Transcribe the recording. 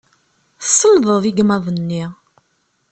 Tselḍeḍ igmaḍ-nni.